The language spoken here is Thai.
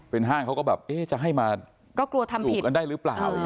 เป็นห้างเขาก็แบบจะให้มาจุกกันได้หรือเปล่า